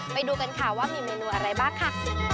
ไปดูกันค่ะว่ามีเมนูอะไรบ้างค่ะ